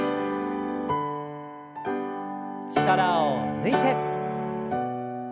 力を抜いて。